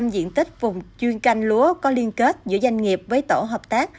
một trăm linh diện tích vùng chuyên canh lúa có liên kết giữa doanh nghiệp với tổ hợp tác